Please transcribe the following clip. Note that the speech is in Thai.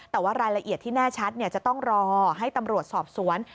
แต่ว่ารายละเอียดที่แน่ชัดจะต้องรอให้ตำรวจสอบสวน